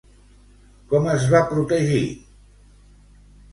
Com es va protegir?